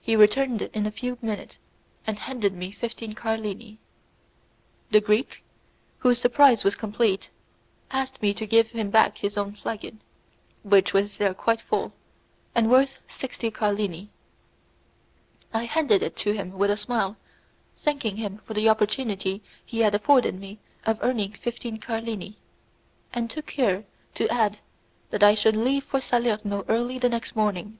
He returned in a few minutes and handed me fifteen carlini. The Greek, whose surprise was complete, asked me to give him back his own flagon, which was there quite full, and worth sixty carlini. I handed it to him with a smile, thanking him for the opportunity he had afforded me of earning fifteen carlini, and took care to add that I should leave for Salerno early the next morning.